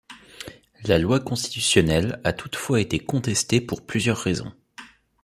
La loi constitutionnelle a toutefois été contestée, pour plusieurs raisons.